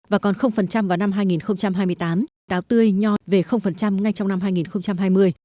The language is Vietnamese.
và còn vào năm hai nghìn hai mươi tám táo tươi nho về ngay trong năm hai nghìn hai mươi